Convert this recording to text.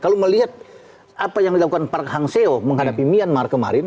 kalau melihat apa yang dilakukan park hang seo menghadapi myanmar kemarin